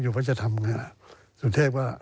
โถจะจบละ